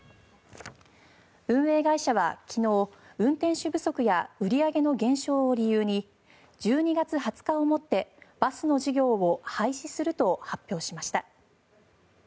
運営会社は昨日、運転手不足や売り上げの減少を理由に１２月２０日をもってバスの事業を廃止すると発表しました。